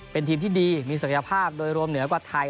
เป็นทีมที่ดีมีศักยภาพโดยรวมเหนือกว่าไทย